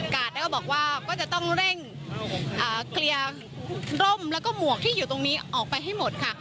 ก็บอกว่าก็จะต้องเร่งเคลียร์ร่มแล้วก็หมวกที่อยู่ตรงนี้ออกไปให้หมดค่ะ